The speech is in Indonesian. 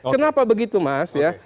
kenapa begitu mas ya